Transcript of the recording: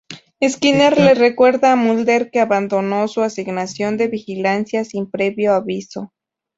Skinner le recuerda a Mulder que abandonó su asignación de vigilancia sin previo aviso.